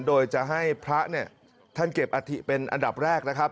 โดยจะให้พระเนี่ยท่านเก็บอัฐิเป็นอันดับแรกนะครับ